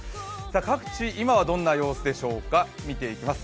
各地、今はどんな様子でしょうか、見ていきます。